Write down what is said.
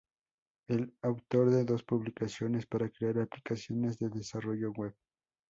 Es autor de dos publicaciones para crear aplicaciones de desarrollo web.